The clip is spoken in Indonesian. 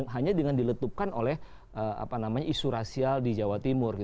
hanya dengan diletupkan oleh isu rasial di jawa timur